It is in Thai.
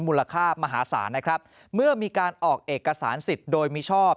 มูลค่ามหาศาลนะครับเมื่อมีการออกเอกสารสิทธิ์โดยมิชอบ